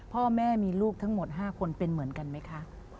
พ่อแม่มีลูกทั้งหมด๕คนเป็นเหมือนกันไหมคะ